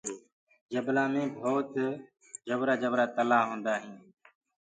جبلآ مي تلآه ڀوت جبرآ جبرآ هوندآ هينٚ۔